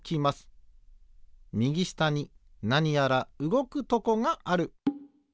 みぎしたになにやらうごくとこがある。